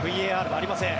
ＶＡＲはありません。